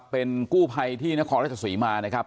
เป็นกู้ภัยที่นครราชศรีมานะครับ